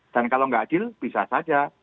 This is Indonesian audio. dan kalau enggak adil bisa saja